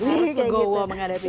harus legowo menghadapinya